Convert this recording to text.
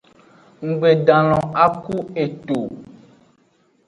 Nggbe don alon a ku eto o.